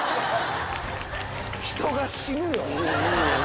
人が死ぬよ。